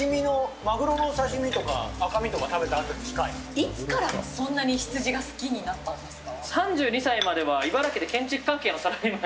いつからそんなにヒツジが好きになったんですか。